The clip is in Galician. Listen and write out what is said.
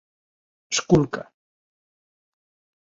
Esculca